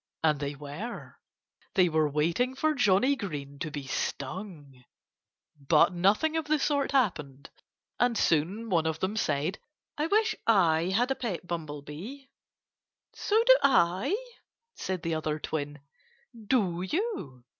And they were. They were waiting for Johnnie Green to be stung. But nothing of the sort happened. And soon one of them said: "I wish I had a pet bumblebee." "So do I!" said the other twin. "Do you?"